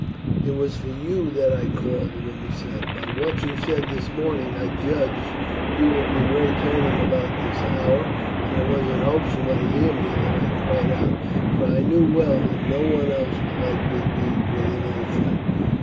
"It was for you that I called," the woman said. "By what you said this morning I judged you would be returning about this hour, and it was in hopes you might hear me that I cried out, for I knew well that no one else would be likely to be within earshot."